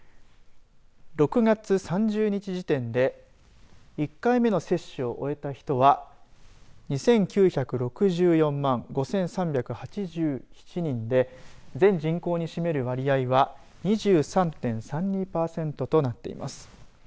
６月３０日時点で１回目の接種を終えた人は２９６４万５３８７人で全人口に占める割合は２３．３２パーセントとなっています。